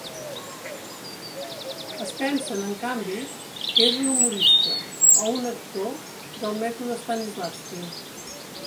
Es pensen, en canvi, que és un humorista, o un actor del mètode Stanislavski.